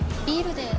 ビールで。